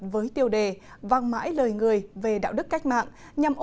với tiêu đề vang mãi lời người về đạo đức cách mạng